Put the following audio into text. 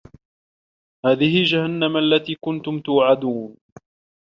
هذِهِ جَهَنَّمُ الَّتي كُنتُم توعَدونَ